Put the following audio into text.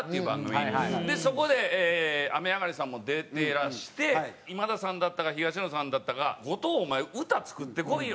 そこで雨上がりさんも出てらして今田さんだったか東野さんだったか後藤お前歌作ってこいよ！